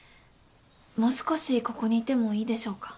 もう少しここにいてもいいでしょうか？